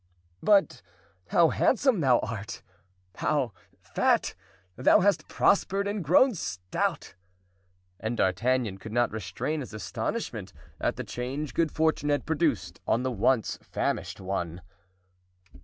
"But how handsome thou art—how fat! thou hast prospered and grown stout!" and D'Artagnan could not restrain his astonishment at the change good fortune had produced on the once famished one.